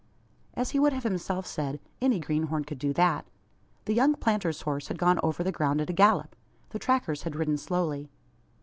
As he would have himself said, any greenhorn could do that. The young planter's horse had gone over the ground at a gallop. The trackers had ridden slowly.